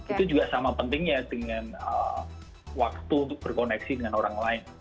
itu juga sama pentingnya dengan waktu untuk berkoneksi dengan orang lain